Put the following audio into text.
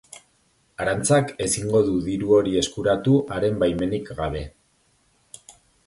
Arantzak ezingo du diru hori eskuratu haren baimenik gabe.